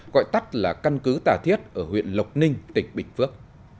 gọi tắt là căn cứ tà thiết ở huyện lộc ninh tỉnh bình phước